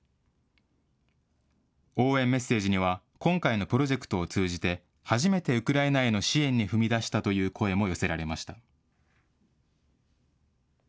応援メッセージには、今回のプロジェクトを通じて、初めてウクライナへの支援に踏み出したという声も寄せられました。